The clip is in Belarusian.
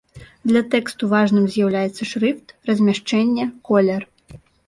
Для тэксту важным з'яўляецца шрыфт, размяшчэнне, колер.